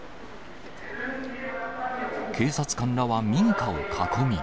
警察官らは民家を囲み。